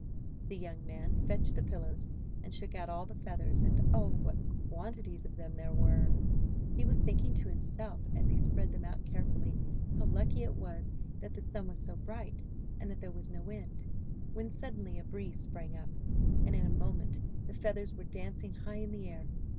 The young man fetched the pillows, and shook out all the feathers, and oh! what quantities of them there were! He was thinking to himself, as he spread them out carefully, how lucky it was that the sun was so bright and that there was no wind, when suddenly a breeze sprang up, and in a moment the feathers were dancing high in the air.